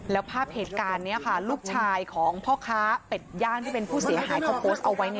แล้วภาพเหตุการณ์นี้ค่ะลูกชายของพ่อค้าเป็ดย่างที่เป็นผู้เสียหายเขาโพสต์เอาไว้